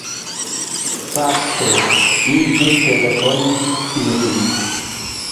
Fakte, mi ĵus telefonis ilin.